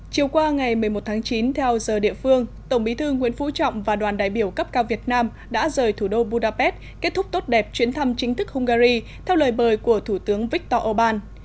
chiều qua ngày một mươi một tháng chín theo giờ địa phương tổng bí thư nguyễn phú trọng và đoàn đại biểu cấp cao việt nam đã rời thủ đô budapest kết thúc tốt đẹp chuyến thăm chính thức hungary theo lời bời của thủ tướng viktor orbán